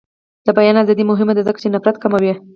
د بیان ازادي مهمه ده ځکه چې نفرت کموي.